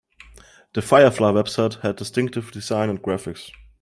The Firefly website had distinctive design and graphics.